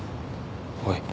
おい。